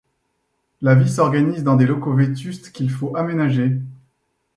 La vie s'organise dans des locaux vétustes qu'il faut aménager.